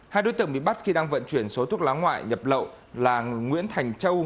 hai đối tượng bị bắt khi đang vận chuyển số thuốc lá ngoại nhập lậu là nguyễn thành châu